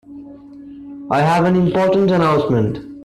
I have an important announcement